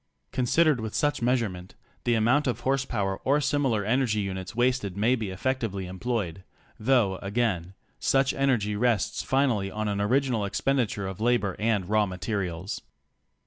Considered with such measure ment, the amount of horsepower or similar energy units wasted may be effectively employed — though again such energy rests finally on an original expenditure of labor and raw materials.